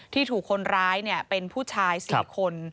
ที่ถูกคนร้ายเป็นผู้ชาย๔คน